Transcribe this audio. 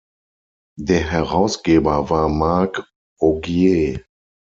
Der Herausgeber war Marc Augier.